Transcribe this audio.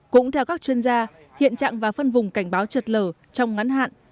cũng theo các chuyên gia hiện trạng và phân vùng cảnh báo trượt lở trong ngắn hạn